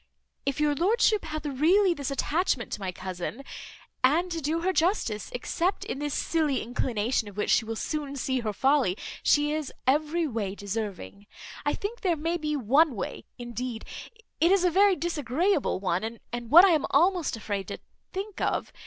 If your lordship hath really this attachment to my cousin (and to do her justice, except in this silly inclination, of which she will soon see her folly, she is every way deserving), I think there may be one way, indeed, it is a very disagreeable one, and what I am almost afraid to think of.